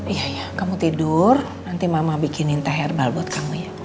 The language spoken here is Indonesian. iya ya kamu tidur nanti mama bikinin teh herbal buat kamu ya